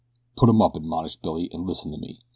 "Put 'em up!" admonished Billy, "and listen to me.